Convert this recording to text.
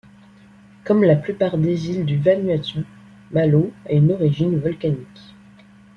Comme la plupart des îles du Vanuatu, Malo a une origine volcanique.